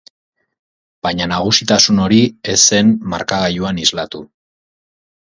Baina nagusitasun hori ez zen markagailuan islatu.